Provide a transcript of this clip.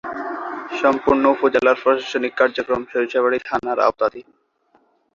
সম্পূর্ণ উপজেলার প্রশাসনিক কার্যক্রম সরিষাবাড়ী থানার আওতাধীন।